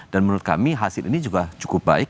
dan menurut kami hasil ini juga cukup baik